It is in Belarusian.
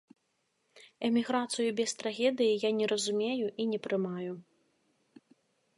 Эміграцыю без трагедыі я не разумею і не прымаю.